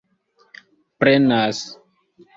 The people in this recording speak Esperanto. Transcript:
prenas